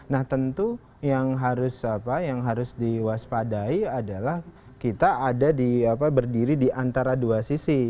nah tentu yang harus diwaspadai adalah kita ada di berdiri di antara dua sisi